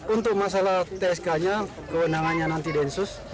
untuk masalah tsk nya kewenangannya nanti densus